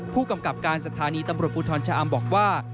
ผู้กำกับการสถานีตำรวจภูทรชะอำบอกว่า